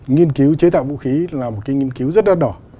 nghiên cứu chế tạo vũ khí là một cái nghiên cứu rất là đỏ